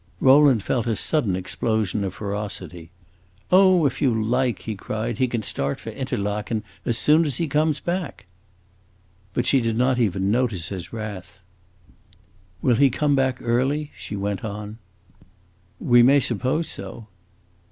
Rowland felt a sudden explosion of ferocity. "Oh, if you like," he cried, "he can start for Interlaken as soon as he comes back!" But she did not even notice his wrath. "Will he come back early?" she went on. "We may suppose so."